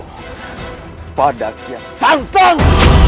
kepada kian santang